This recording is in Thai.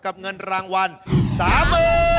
เงินรางวัล๓๐๐๐บาท